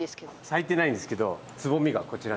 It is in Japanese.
咲いてないんですけどつぼみがこちらに。